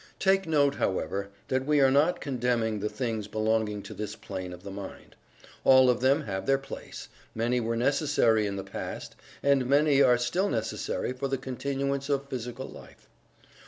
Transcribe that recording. Take note, however, that we are not condemning the things belonging to this plane of the mind. All of them have their place many were necessary in the past, and many are still necessary for the continuance of physical life.